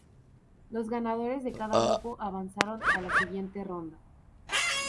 Los ganadores de cada grupo avanzaron a la siguiente ronda.